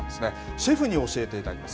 シェフに教えていただきます。